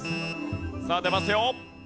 さあ出ますよ！